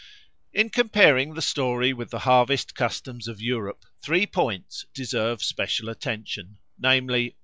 In comparing the story with the harvest customs of Europe, three points deserve special attention, namely: I.